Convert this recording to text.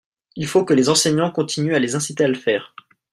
Il faut que les enseignants continuent à les inciter à le faire.